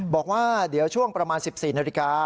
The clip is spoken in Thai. บอกว่าเดี๋ยวช่วงประมาณ๑๔นาฬิกา